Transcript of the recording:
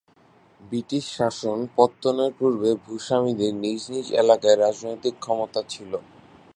British শাসন পত্তনের পূর্বে ভূস্বামীদের নিজ নিজ এলাকায় রাজনৈতিক ক্ষমতা ছিল।